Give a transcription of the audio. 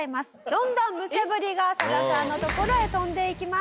どんどんむちゃぶりがサダさんのところへ飛んでいきます。